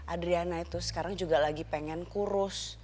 adriana itu sekarang juga lagi pengen kurus